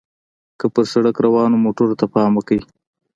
که پر سړک روانو موټرو ته پام وکړئ.